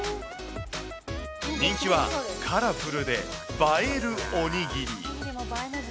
人気はカラフルで映えるおにぎり。